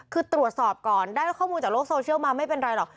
คือตรวจสอบก่อนได้ข้อมูลจากโลกโซเชียลมาไม่เป็นไรหรอก